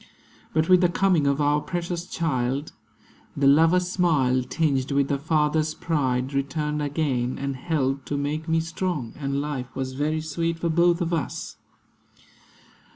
But with the coming of our precious child, The lover's smile, tinged with the father's pride, Returned again; and helped to make me strong; And life was very sweet for both of us.